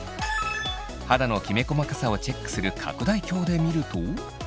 肌のきめ細かさをチェックする拡大鏡で見ると。